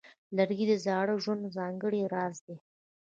لرګی د زاړه ژوند ځانګړی راز دی.